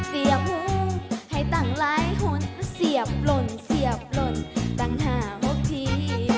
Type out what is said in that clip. เสียบหุ้มให้ตั้งหลายฮนเสียบรนเสียบรนตั้งห้ามบที